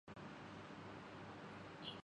شعیب ملک دنیا کے